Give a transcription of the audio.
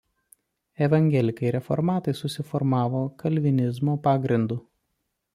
Evangelikai reformatai susiformavo kalvinizmo pagrindu.